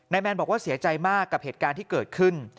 แมนบอกว่าเสียใจมากกับเหตุการณ์ที่เกิดขึ้น